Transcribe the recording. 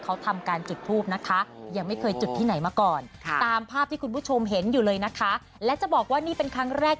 อ่าตามแล้วนะ